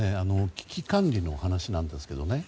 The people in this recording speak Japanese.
危機管理の話なんですけどね。